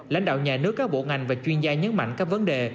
lãnh đạo nhà nước các bộ ngành và chuyên gia nhấn mạnh các vấn đề